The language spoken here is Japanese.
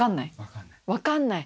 分かんない？